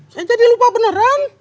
saya jadi lupa beneran